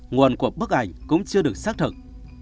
nguồn của bức ảnh cũng chưa được xác thực